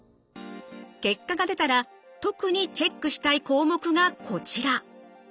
結果が出たら特にチェックしたい項目がこちら。